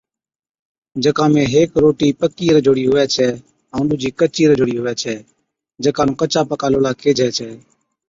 جڪا ۾ ھيڪ روٽِي پڪِي رجھوڙِي هُوَي ڇَي ائُون ڏُوجِي ڪچِي رجھوڙِي ھُوَي ڇَي جڪا نُون ڪچا پڪا لولا ڪيهجَي ڇَي